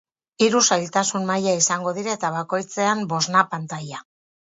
Hiru zailtasun maila izango dira eta bakoitzean bosna pantaila.